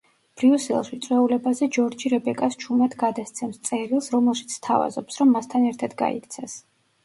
ბრიუსელში, წვეულებაზე ჯორჯი რებეკას ჩუმად გადასცემს წერილს, რომელშიც სთავაზობს, რომ მასთან ერთად გაიქცეს.